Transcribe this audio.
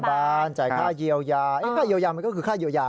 บ้านจ่ายค่าเยียวยาค่าเยียวยามันก็คือค่าเยียวยา